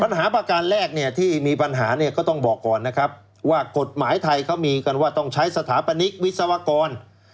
ปัญหาประการแรกเนี่ยที่มีปัญหาเนี่ยก็ต้องบอกก่อนนะครับว่ากฎหมายไทยเขามีกันว่าต้องใช้สถาปนิกวิศวกร